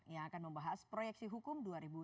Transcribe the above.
yang akan membahas proyeksi hukum dua ribu sembilan belas